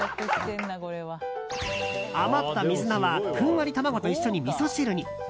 余った水菜はふんわり卵と一緒にみそ汁に。